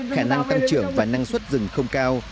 khả năng tăng trưởng và năng suất rừng không cao